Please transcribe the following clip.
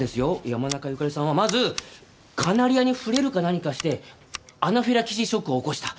山中由佳里さんはまずカナリアに触れるか何かしてアナフィラキシーショックを起こした。